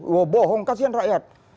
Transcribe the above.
wah bohong kasihan rakyat